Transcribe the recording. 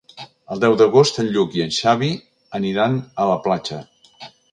El deu d'agost en Lluc i en Xavi aniran a la platja.